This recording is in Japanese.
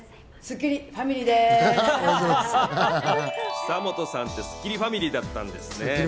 久本さんってスッキリファミリーだったんですね。